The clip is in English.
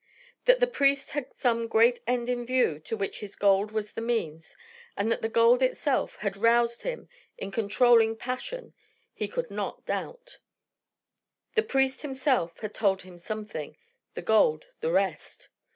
That the priest had some great end in view to which this gold was the means, and that the gold itself had roused in him a controlling passion, he could not doubt. The priest himself had told him something, the gold the rest.